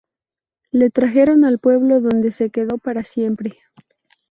La trajeron al pueblo, donde se quedó para siempre.